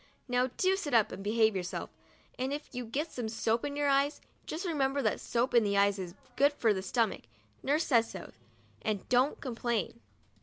Now do sit up and behave yourself, and if you get some soap in your eyes just remember that soap in the eyes is very good for the stomach, nurse says so, and don't complain.